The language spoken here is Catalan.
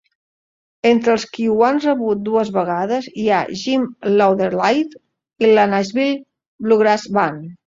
Entre els qui ho han rebut dues vegades hi ha Jim Lauderdale i la Nashville Bluegrass Band.